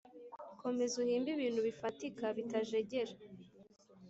“komeza uhimbe ibintu bifatika bitajegera”.